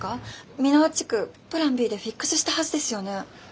美ノ和地区プランＢでフィックスしたはずですよね？